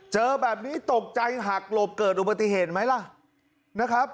เจอแบบนี้ตกใจหักหลบเกิดอุบัติเหตุไหมล่ะนะครับ